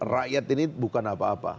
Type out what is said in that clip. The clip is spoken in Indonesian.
rakyat ini bukan apa apa